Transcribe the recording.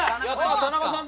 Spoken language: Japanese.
田中さんだ。